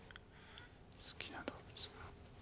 好きな動物。